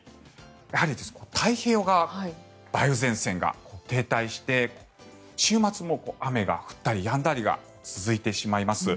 やはり太平洋側梅雨前線が停滞して週末も雨が降ったりやんだりが続いてしまいます。